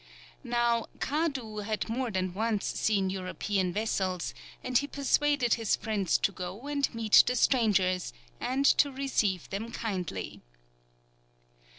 Now Kadu had more than once seen European vessels, and he persuaded his friends to go and meet the strangers, and to receive them kindly.